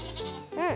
うん。